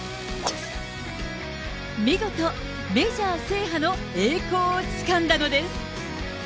見事、メジャー制覇の栄光をつかんだのです。